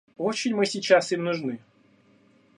Очень мы сейчас им нужны.